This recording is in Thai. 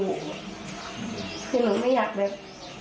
คือหนูไม่อยากเป็น